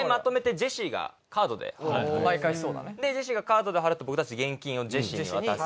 ジェシーがカードで払って僕たち現金をジェシーに渡す。